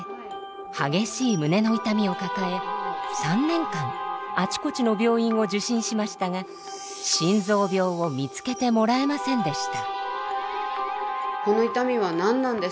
激しい胸の痛みを抱え３年間あちこちの病院を受診しましたが心臓病を見つけてもらえませんでした。